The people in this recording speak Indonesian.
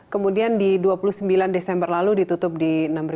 kemudian di dua puluh sembilan desember lalu ditutup di enam tiga ratus lima puluh lima